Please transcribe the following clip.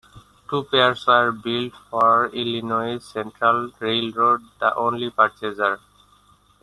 Two pairs were built for the Illinois Central Railroad, the only purchaser.